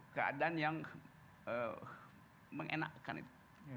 keadaan yang mengenakan itu